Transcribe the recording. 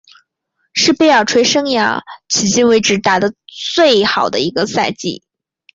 是贝尔垂生涯迄今为止打得最好的一个赛季。